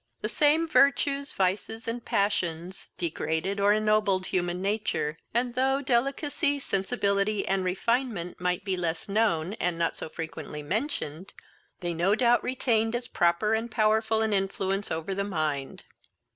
The same virtues, vices, and passions, degraded or ennobled human nature; and, though delicacy, sensibility, and refinement might be less known, and not so frequently mentioned, they no doubt retained as proper and powerful an influence over the mind.